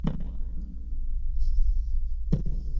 په دغه غونډه کې یوازې تشې نارې وهل کېدې.